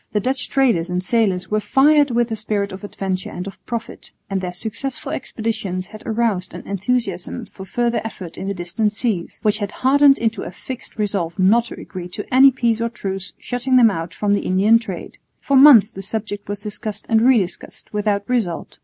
The Dutch traders and sailors were fired with the spirit of adventure and of profit, and their successful expeditions had aroused an enthusiasm for further effort in the distant seas, which had hardened into a fixed resolve not to agree to any peace or truce shutting them out from the Indian trade. For months the subject was discussed and re discussed without result.